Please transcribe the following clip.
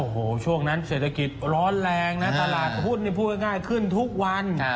โอ้โหช่วงนั้นเศรษฐกิจร้อนแรงนะตลาดหุ้นนี่พูดง่ายขึ้นทุกวัน